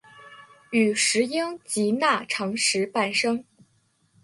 与石英及钠长石伴生。